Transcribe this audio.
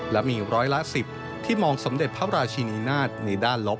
และมีร้อยละ๑๐ที่มองสมเด็จพระราชินีนาฏในด้านลบ